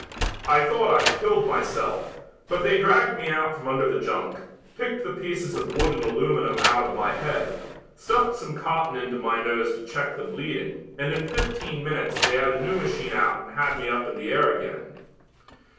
I thought I'd killed myself, but they dragged me out from under the junk, picked the pieces of wood and aluminum out of my head, stuffed some cotton into my nose to check the bleeding and in fifteen minutes they had a new machine out and had me up in the air again."